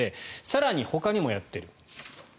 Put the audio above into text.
更にほかにもやっている。